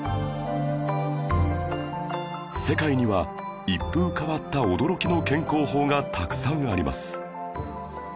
世界には一風変わった驚きの健康法がたくさんあります